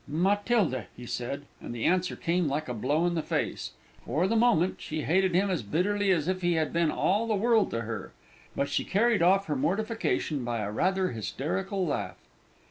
"Matilda," he said; and the answer came like a blow in the face. For the moment she hated him as bitterly as if he had been all the world to her; but she carried off her mortification by a rather hysterical laugh.